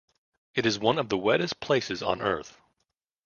It is one of the wettest places on earth.